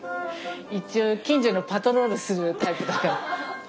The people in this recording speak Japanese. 一応近所のパトロールするタイプだから。